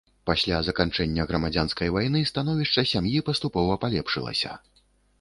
Пасля заканчэння грамадзянскай вайны становішча сям'і паступова палепшылася.